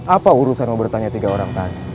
apa urusan mau bertanya tiga orang tadi